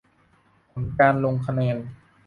ผลการลงคะแนน